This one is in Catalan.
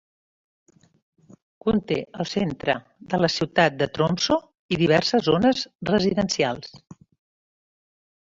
Conté el centre de la ciutat de Tromsø i diverses zones residencials.